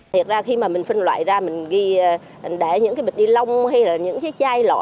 thiệt ra khi mà mình phân loại ra mình để những cái bịch đi lông hay là những cái chai lọ